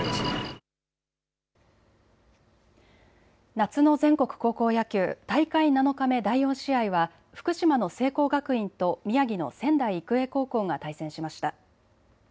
夏の全国高校野球、大会７日目第４試合は福島の聖光学院と宮城の仙台育英高校が対戦しました。